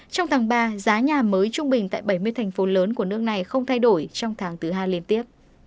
trong tháng ba giá nhà mới trung bình tại bảy mươi thành phố lớn của nước này không thay đổi trong tháng thứ hai liên tiếp